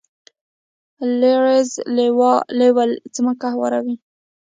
لیزر لیول ځمکه هواروي.